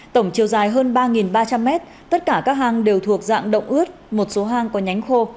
tổng chiều dài hơn ba ba trăm linh m tất cả các hang đều thuộc dạng động ướt một số hang có nhánh khô